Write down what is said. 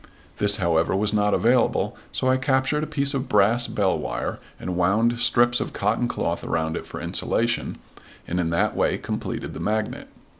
This, however, was not available, so I captured a piece of brass bell wire and wound strips of cotton cloth around it for insulation and in that way completed the magnet.